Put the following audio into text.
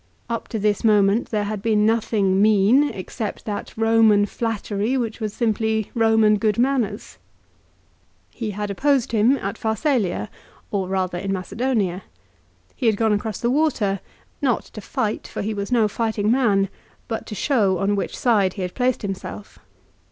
Up to this moment there had been nothing mean, except that Eoman flattery which was simply Roman good manners. He had 1 Ad Att. lib. xiii. 52. 204 LIFE OF CICERO. opposed him at Pharsalia, or rather in Macedonia. He had gone across the water, not to fight, for he was no fighting man ; but to show on which side he had placed himself.